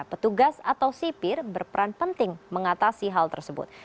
petugas atau sipir berperan penting mengatasi hal tersebut